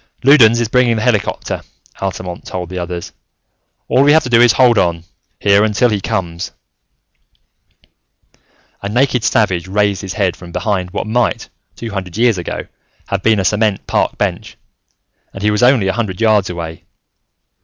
"Loudons is bringing the helicopter," Altamont told the others. "All we have to do is to hold on, here, until he comes." A naked savage raised his head from behind what might, two hundred years ago, have been a cement park bench and he was only a hundred yards away.